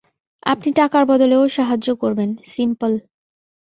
আপনি টাকার বদলে ওর সাহায্য করবেন, সিম্পল।